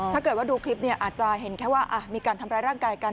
ถ้าเกิดว่าดูคลิปเนี่ยอาจจะเห็นแค่ว่าอ่ะมีการทำไรร่างกายกัน